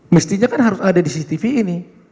mestinya kan harus ada di cctv ini